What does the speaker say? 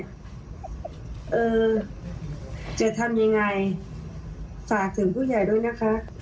เออจะทำยังไงฝากถึงผู้ใหญ่ด้วยนะคะ